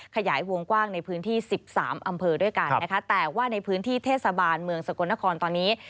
ขยายวงกว้างในพื้นที่สิบสามอำเภอด้วยกันนะคะแต่ว่าในพื้นที่เทศบาลเมืองสกลนครตอนนี้